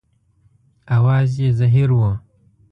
اواز یې زهیر و.